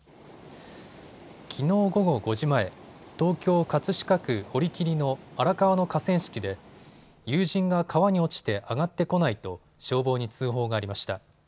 きのう午後５時前、東京葛飾区堀切の荒川の河川敷で友人が川に落ちて上がってこないと消防に通報がありました。